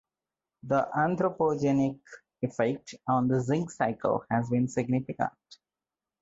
The anthropogenic effect on the zinc cycle has been significant.